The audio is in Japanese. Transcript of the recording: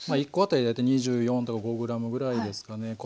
１コ当たり大体２４とか５ｇぐらいですかね。